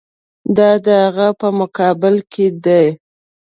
دا د هغه په مقابل کې دي.